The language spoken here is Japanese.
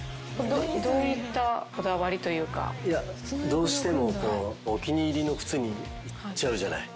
どうしてもお気に入りの靴にいっちゃうじゃない。